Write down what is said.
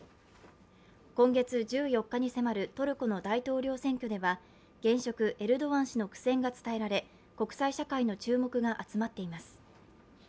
今月１４日に迫るトルコの大統領選挙では現職・エルドアン氏の苦戦が伝えられ、国際社会の注目が集まっています。